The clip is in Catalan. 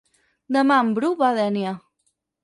Demà en Bru va a Dénia.